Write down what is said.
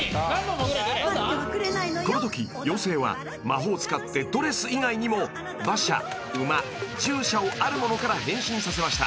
［このとき妖精は魔法を使ってドレス以外にも馬車・馬・従者をあるものから変身させました］